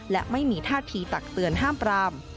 และไม่มีท่าทีตักเตือนห้ามปราม